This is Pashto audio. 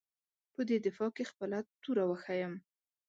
په دې دفاع کې خپله توره وښیيم.